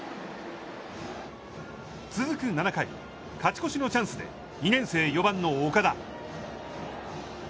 続く７回、勝ち越しのチャンスで２年生４番の岡田。